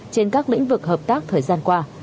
trên các lĩnh vực hợp tác thời gian qua